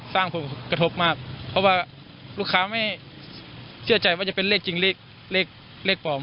สร้างผลกระทบมากเพราะว่าลูกค้าไม่เชื่อใจว่าจะเป็นเลขจริงเลขเลขปลอม